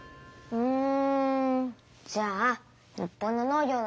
うん。